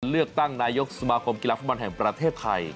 เลือกตั้งนายกสมาคมกีฬาฟุตบอลแห่งประเทศไทย